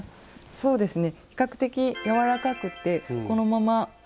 そうですね。